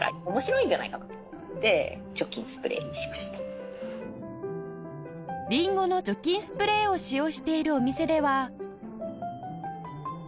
酒井さんのりんごの除菌スプレーを使用しているお店では